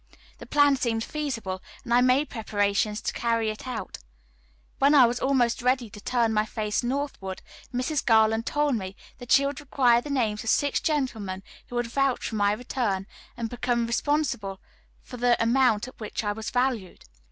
The plan seemed feasible, and I made preparations to carry it out. When I was almost ready to turn my face northward, Mrs. Garland told me that she would require the names of six gentlemen who would vouch for my return, and become responsible for the amount at which I was valued.